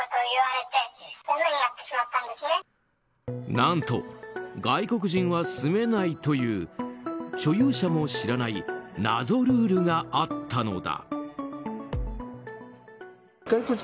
何と、外国人は住めないという所有者も知らない謎ルールがあったのだ。